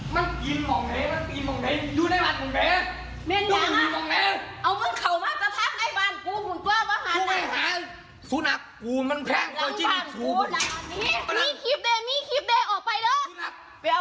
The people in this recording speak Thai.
มีคลิปได้มีคลิปได้ออกไปแล้ว